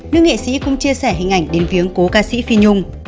nữ nghệ sĩ cũng chia sẻ hình ảnh đến viếng cố ca sĩ phi nhung